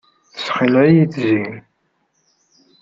Tessexleɛ-iyi Tiziri.